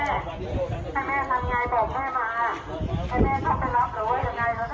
เอาอยู่กันดีกว่านะ